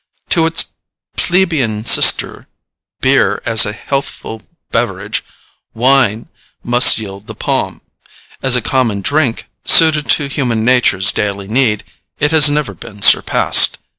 To its plebeian sister beer, as a healthful beverage, wine must yield the palm. As a common drink, suited to human nature's daily need, it has never been surpassed.